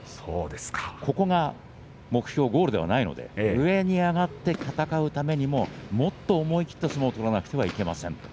ここが目標、ゴールじゃないので上で戦うためにももっと思い切った相撲を取らなければいけません。